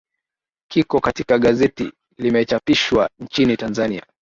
kiko katika gazeti limechapishwa nchini tanzania